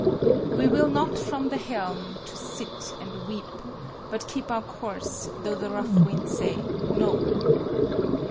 We will not from the helm, to sit and weep ; But keep our course, though the rough wiud say, No.